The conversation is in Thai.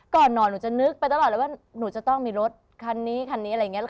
ก่อนนอนหนูจะนึกไปตลอดเลยว่าหนูจะต้องมีรถคันนี้คันนี้อะไรอย่างนี้